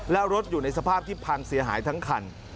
แล้วรถอยู่ในสภาพที่พังเสียหายทั้งคัน